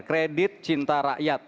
kredit cinta rakyat